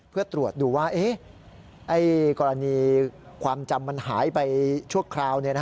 เพื่อตรวจดูว่ากรณีความจำมันหายไปชั่วคราว